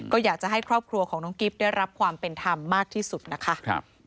ก็อยากจะให้ครอบครัวของน้องกิ๊บได้รับความเป็นธรรมมากที่สุดนะคะ